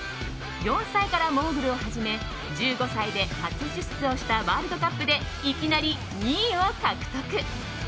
４歳からモーグルを始め１５歳で初出場したワールドカップでいきなり２位を獲得。